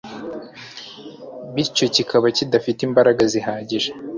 bityo kikaba kidafite imbaraga zihagije